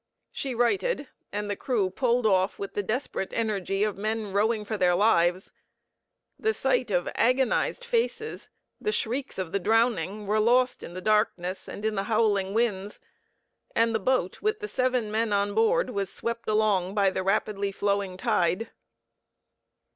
She righted, and the crew pulled off with the desperate energy of men rowing for their lives. The sight of agonized faces, the shrieks of the drowning, were lost in the darkness and in the howling winds, and the boat with the seven men on board was swept along by the rapidly flowing tide.